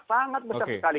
sangat besar sekali